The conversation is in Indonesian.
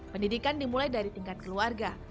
pendidikan dimulai dari tingkat keluarga